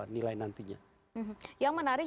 nilai nantinya yang menarik